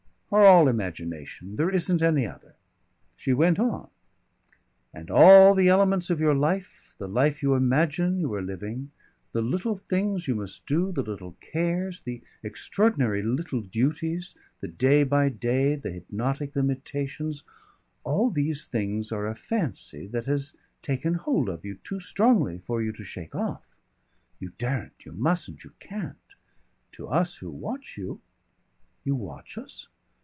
"Are all imagination. There isn't any other." She went on: "And all the elements of your life, the life you imagine you are living, the little things you must do, the little cares, the extraordinary little duties, the day by day, the hypnotic limitations all these things are a fancy that has taken hold of you too strongly for you to shake off. You daren't, you mustn't, you can't. To us who watch you " "You watch us?"